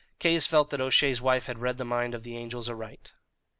Caius felt that O'Shea's wife had read the mind of the angels aright.